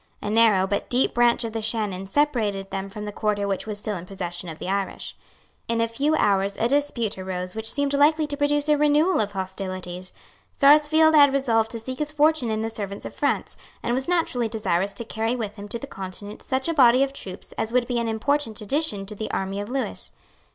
A narrow, but deep branch of the Shannon separated them from the quarter which was still in the possession of the Irish. In a few hours a dispute arose which seemed likely to produce a renewal of hostilities. Sarsfield had resolved to seek his fortune in the service of France, and was naturally desirous to carry with him to the Continent such a body of troops as would be an important addition to the army of Lewis.